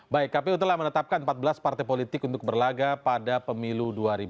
baik kpu telah menetapkan empat belas partai politik untuk berlaga pada pemilu dua ribu dua puluh